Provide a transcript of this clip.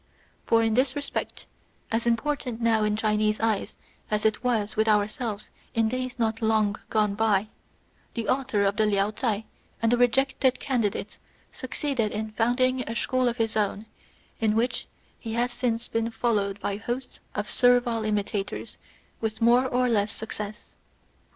For in this respect, as important now in Chinese eyes as it was with ourselves in days not long gone by, the author of the Liao Chai and the rejected candidate succeeded in founding a school of his own, in which he has since been followed by hosts of servile imitators with more or less success.